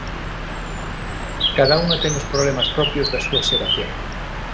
Cada unha ten os problemas propios da súa xeración.